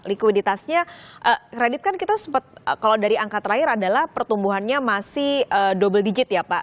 likuiditasnya kredit kan kita sempat kalau dari angka terakhir adalah pertumbuhannya masih double digit ya pak